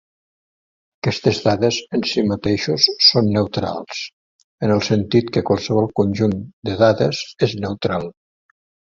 Aquestes dades en si mateixos són "neutrals" en el sentit que qualsevol conjunt de dades és neutral.